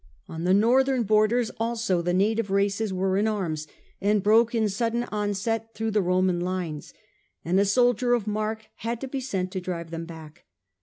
On the northern borders also the native races were in arms, and broke in sudden onset through the Roman lines, and a soldier of mark had to be sent to drive them back.